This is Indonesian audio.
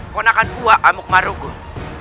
punakan kuak amuk marugun